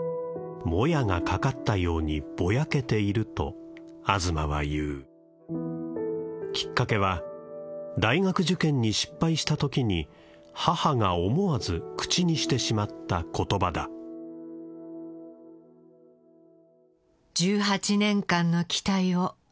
「モヤかかったようにぼやけている」と東は言うきっかけは大学受験に失敗した時に母が思わず口にしてしまった言葉だ「１８年間の期待を」